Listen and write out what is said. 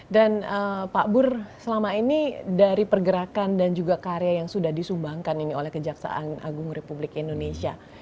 dan pak bur selama ini dari pergerakan dan juga karya yang sudah disumbangkan ini oleh kejaksaan agung republik indonesia